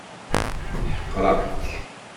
Ḥeqreɣ-k.